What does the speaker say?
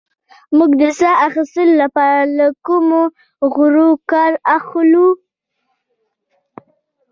موږ د ساه اخیستلو لپاره له کومو غړو کار اخلو